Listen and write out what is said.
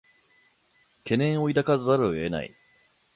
懸念を抱かざるを得ない